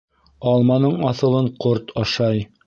Алманың аҫылын ҡорт ашай.